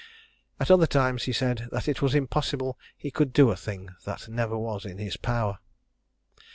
At other times he said, "that it was impossible he could do a thing that never was in his power."